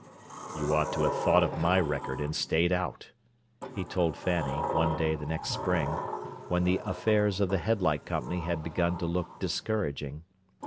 "You ought to have thought of my record and stayed out," he told Fanny, one day the next spring, when the affairs of the headlight company had begun to look discouraging.